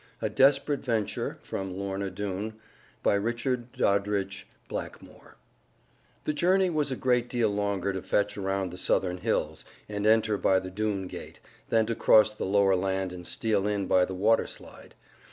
A DESPERATE VENTURE From 'Lorna Doone' The journey was a great deal longer to fetch around the southern hills, and enter by the Doone gate, than to cross the lower land and steal in by the water slide.